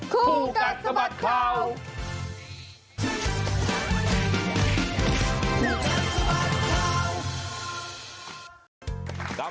คู่กัศบัตรเขา